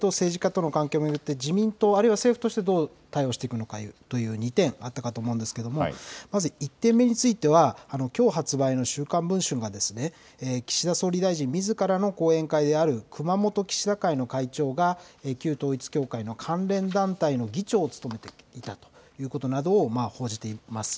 それから旧統一教会と政治家との関係によって自民党、あるいは政府としてのどう対応していくのかという２点あったかと思うんですけれどもまず１点目についてはきょう発売の週刊文春がですね岸田総理大臣みずからの後援会である熊本岸田会の会長が旧統一教会の関連団体の議長を務めていたということを報じています。